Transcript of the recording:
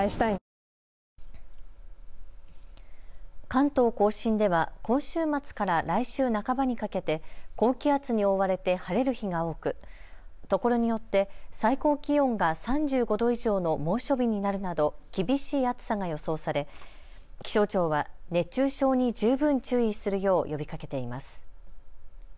関東甲信では今週末から来週半ばにかけて高気圧に覆われて晴れる日が多く所によって最高気温が３５度以上の猛暑日になるなど厳しい暑さが予想され気象庁は熱中症に十分注意するよう呼びかけています。